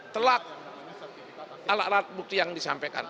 telak alat alat bukti yang disampaikan